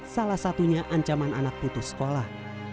salah satunya ancaman anak putus sekolah